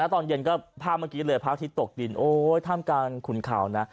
ตอนเย็นก็ภาพเมื่อกี้เลยพระอาทิตย์ตกดินโอ๊ยท่ามกลางขุนข่าวนะ